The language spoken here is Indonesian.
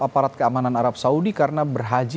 aparat keamanan arab saudi karena berhaji